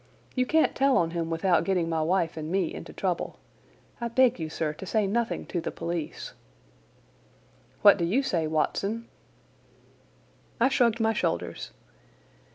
You can't tell on him without getting my wife and me into trouble. I beg you, sir, to say nothing to the police." "What do you say, Watson?" I shrugged my shoulders.